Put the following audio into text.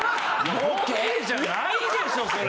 ボケじゃないでしょそれ。